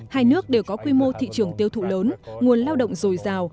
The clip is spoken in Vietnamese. hai nước đều có quy mô thị trường tiêu thụ lớn nguồn lao động dồi dào